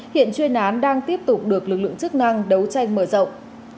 hiện chuyên án đang tiếp tục được lực lượng chức năng đấu tranh mở rộng